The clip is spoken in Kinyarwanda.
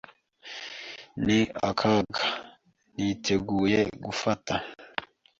Ni akaga niteguye gufata.